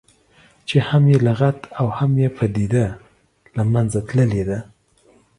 چې هم یې لغت او هم یې پدیده له منځه تللې ده.